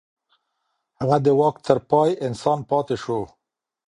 هغه د واک تر پای انسان پاتې شو.